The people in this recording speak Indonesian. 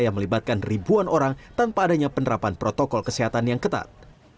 yang melibatkan ribuan orang tanpa adanya penerapan protokol kesehatan yang ketat